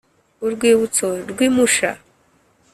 Urwibutso rw i Musha